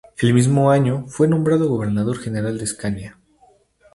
El mismo año fue nombrado Gobernador general de Escania.